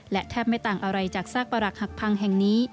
และแทบไม่ต่างอะไรจากซากประหลักหักพังแห่งนี้